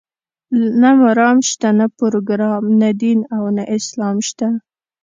نه مرام شته، نه پروګرام، نه دین او نه اسلام شته.